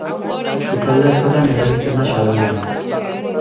Sukalde askotan erabiltzen da xaboi hori.